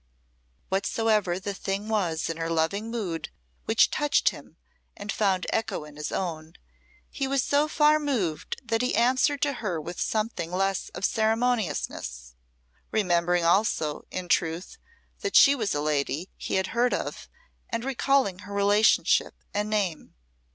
Whatsoever the thing was in her loving mood which touched him and found echo in his own, he was so far moved that he answered to her with something less of ceremoniousness; remembering also, in truth, that she was a lady he had heard of, and recalling her relationship and name.